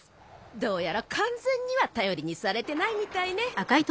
どうやら完全には頼りにされてないみたいね。